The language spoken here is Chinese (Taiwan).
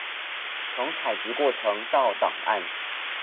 從採集過程到檔案